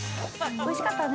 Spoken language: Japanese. ◆おいしかったね。